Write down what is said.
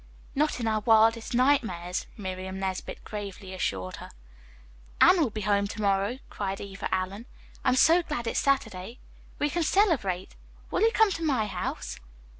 "Not in our wildest nightmares," Miriam Nesbit gravely assured her. "Anne will be home to morrow," cried Eva Allen. "I'm so glad it's Saturday. We can celebrate. Will you come to my house?"